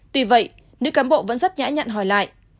tuy vậy nữ cám bộ vẫn rất nhã nhặn hỏi lại